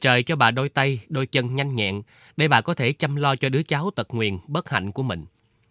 trời cho bà đôi tay đôi chân nhanh nhẹn để bà có thể chăm lo cho đứa cháu tật nguyền bất hạnh của mình